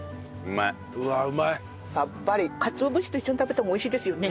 かつお節と一緒に食べても美味しいですよね。